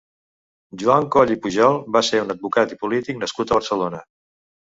Joan Coll i Pujol va ser un advocat i polític, nascut a Barcelona.